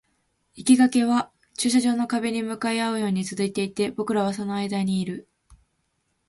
生垣は駐車場の壁に向かい合うように続いていて、僕らはその間にいる